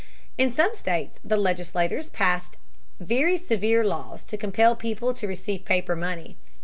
In some states the legislatures passed very severe laws to compel people to receive paper money.